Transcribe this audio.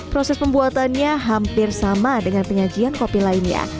proses pembuatannya hampir sama dengan penyajian kopi lainnya